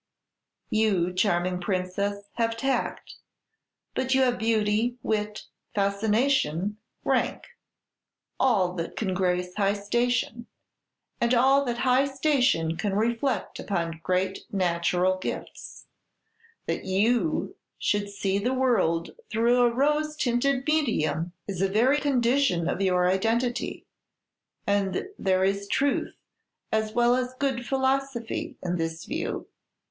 "You, charming Princess, have tact; but you have beauty, wit, fascination, rank, all that can grace high station, and all that high station can reflect upon great natural gifts; that you should see the world through a rose tinted medium is a very condition of your identity; and there is truth, as well as good philosophy, in this view!